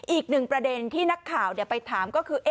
อีกหนึ่งประเด็นที่นักข่าวไปถามก็คือ